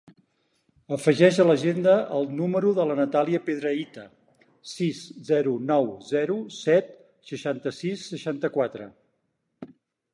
Afegeix a l'agenda el número de la Natàlia Piedrahita: sis, zero, nou, zero, set, seixanta-sis, seixanta-quatre.